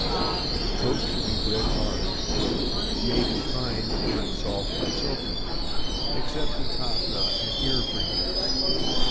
The coat should be bred hard. It may be fine, but not soft or silky, except the top knot and ear fringes.